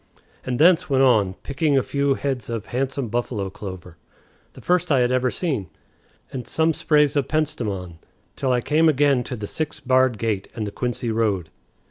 and thence went on, picking a few heads of handsome buffalo clover, the first I had ever seen, and some sprays of penstemon, till I came again to the six barred gate and the Quincy road.